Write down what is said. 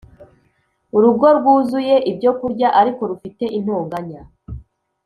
urugo rwuzuye ibyokurya Ariko rufite intonganya